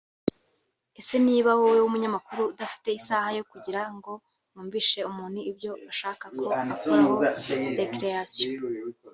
Ese niba wowe w’umunyamakuru udafite isaha yo kugira ngo wumvishe umuntu ibyo ushaka ko akoraho “réaction”